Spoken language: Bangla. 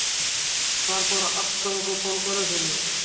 তারপর আত্মগোপন করে ফেলি।